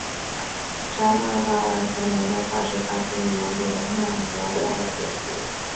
扎纳巴扎尔龙的化石发现于蒙古的纳摩盖吐组。